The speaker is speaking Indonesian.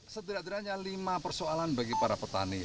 sederhana lima persoalan bagi para petani